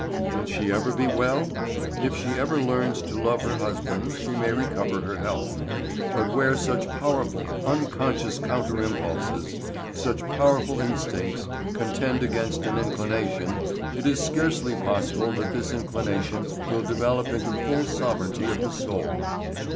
Will she ever be well? If she ever learns to love her husband she may recover her health. But where such powerful, unconscious counter impulses, such powerful instincts, contend against an inclination, it is scarcely possible that this inclination will develop into full sovereignty of the soul.